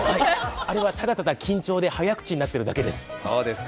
あれはただただ緊張で早口になってるだけです。